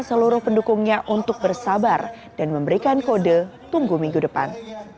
seluruh pendukungnya untuk bersabar dan memberikan kode tunggu minggu depan